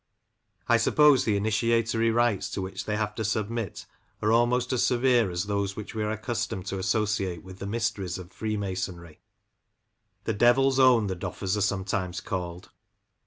I suppose the initiatory rites to which they have to submit are almost as severe as those which we are accustomed to associate with the mysteries of Freemasorary, "The Devil's Own," die Doffers are sometimes called.